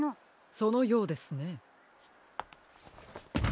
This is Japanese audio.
そのようですね。